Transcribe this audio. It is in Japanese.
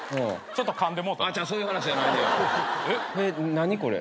何これ？